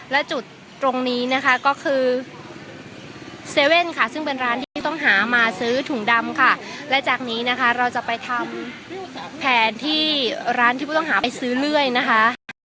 และจุดตรงนี้นะคะก็คือเซเว่นค่ะซึ่งเป็นร้านที่ผู้ต้องหามาซื้อถุงดำค่ะและจากนี้นะคะเราจะไปทำแผนที่ร้านที่ผู้ต้องหาไปซื้อเรื่อยนะคะ